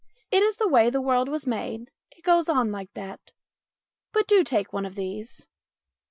It is the way the world was made. It goes on like that. But do take one of these."